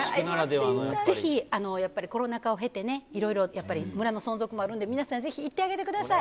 ぜひ、やっぱりコロナ禍を経て、いろいろ、やっぱり、村の存続もあるんで、皆さんぜひ行ってあげてください。